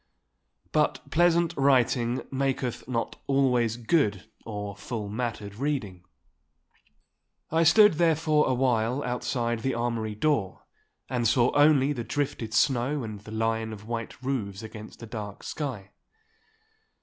But pleasant writing maketh not always good or full mattered reading. I stood therefore awhile outside the armoury door and saw only the drifted snow and the line of white roofs against a dark sky.